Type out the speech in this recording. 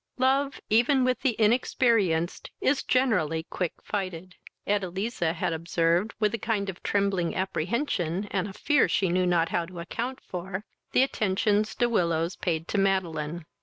Love even with the inexperienced is generally quick fighted. Edeliza had observed, with a kind of trembling apprehension, and a fear she knew not how to account for, the attentions De Willows paid to Madeline.